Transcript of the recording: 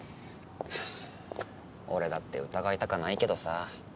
俺だって疑いたかないけどさ。